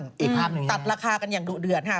อีกภาพหนึ่งตัดราคากันอย่างดุเดือดค่ะ